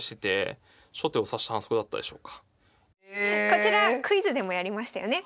こちらクイズでもやりましたよね。